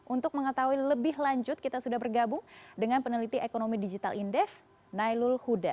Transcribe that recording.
untuk mengetahui lebih lanjut kita sudah bergabung dengan peneliti ekonomi digital indef nailul huda